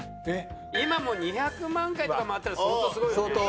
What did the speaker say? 今もう２００万回とか回ったら相当すごいよね。